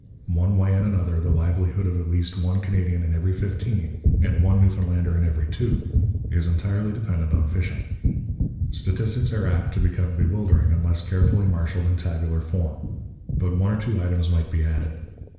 One way and another, the livelihood of at least one Canadian in every fifteen, and one Newfoundlander in every two, is entirely dependent on fishing. Statistics are apt to become bewildering unless carefully marshalled in tabular form. But one or two items might be added.